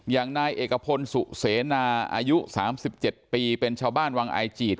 อย่างนายเอกพลสุเสนาอายุ๓๗ปีเป็นชาวบ้านวังไอจีด